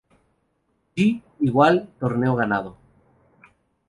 G=Torneo ganado.